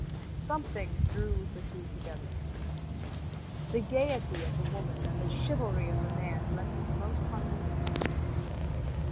Something drew the two together. The gaiety of the woman and the chivalry of the man blended most harmoniously.